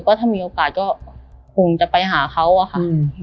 ก็ถ้ามีอาณาจังหวัดคงจะไปหาเขาอะค่ะ